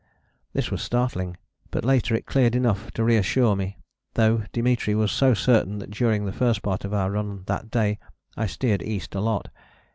This was startling, but later it cleared enough to reassure me, though Dimitri was so certain that during the first part of our run that day I steered east a lot.